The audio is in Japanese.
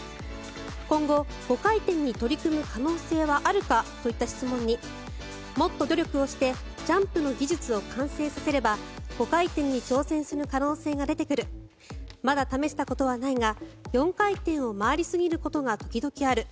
今後、５回転に取り組む可能性はあるかといった質問にもっと努力をしてジャンプの技術を完成させれば５回転に挑戦する可能性が出てくるまだ試したことはないが４回転を回りすぎる時が時々ある。